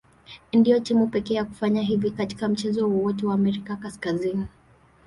Ndio timu pekee ya kufanya hivi katika mchezo wowote wa Amerika Kaskazini.